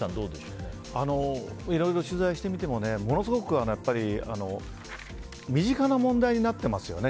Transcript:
いろいろ取材してみてもものすごく身近な問題になってますよね。